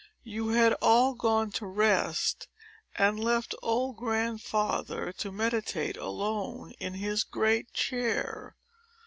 You had all gone to rest, and left old Grandfather to meditate alone, in his great chair.